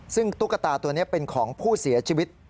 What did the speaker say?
ซึ่งตุ๊กตาตัวนี้เป็นของผู้เสียชีวิต